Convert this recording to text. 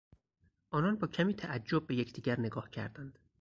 آنان با کمی تعجب به یکدیگر نگاه کردند.